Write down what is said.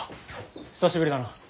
久しぶりだな。